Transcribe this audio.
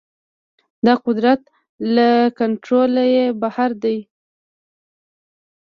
دا قدرت له کنټروله يې بهر دی.